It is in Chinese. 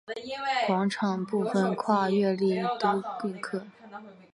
广场部分跨越丽都运河。